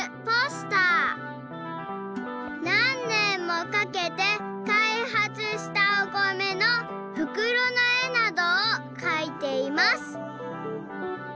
何年もかけてかいはつしたお米のふくろの絵などをかいています。